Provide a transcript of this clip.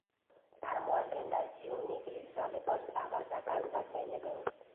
წარმოადგენდა სიუნიქის სამეფოს მთავართა განსასვენებელს.